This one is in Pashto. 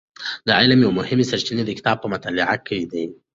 د علم یوې مهمې سرچینې د کتاب په مطالعه کې ده.